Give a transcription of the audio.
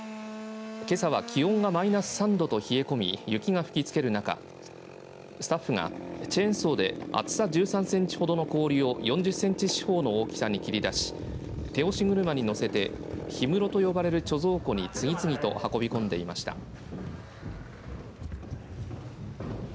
けさは気温がマイナス３度と冷え込み雪が吹きつける中スタッフが、チェーンソーで厚さ１３センチほどの氷を４０センチ四方の大きさに切り出し手押し車に載せて氷室と呼ばれる貯蔵庫に次々と運び込んでいました。